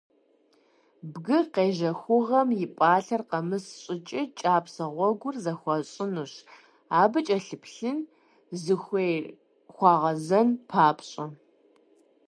Бгы къежэхыгъуэм и пӀалъэр къэмыс щӀыкӀэ кӀапсэ гъуэгур зэхуащӏынущ, абы кӀэлъыплъын, зыхуей хуагъэзэн папщӀэ.